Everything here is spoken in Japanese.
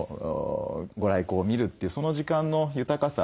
ご来光を見るというその時間の豊かさ